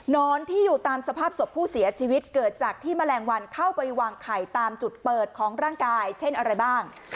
นอนที่อยู่ตามสภาพศพผู้เสียชีวิตเกิดจากที่แมลงวันเข้าไปวางไข่ตามจุดเปิดของร่างกายเช่นอะไรบ้าง